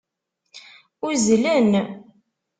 Uzzlen.